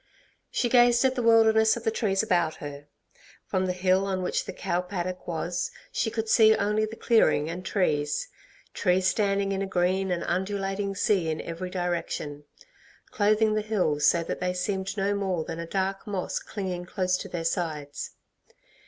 She gazed at the wilderness of the trees about her. From the hill on which the cow paddock was she could see only the clearing and trees trees standing in a green and undulating sea in every direction, clothing the hills so that they seemed no more than a dark moss clinging close to their sides.